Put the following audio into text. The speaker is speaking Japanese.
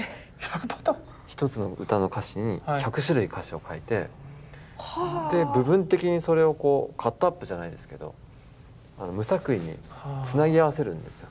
１つの歌の歌詞に１００種類歌詞を書いてで部分的にそれをこうカットアップじゃないですけど無作為につなぎ合わせるんですよ。